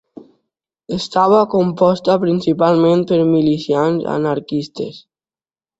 Estava composta principalment per milicians anarquistes.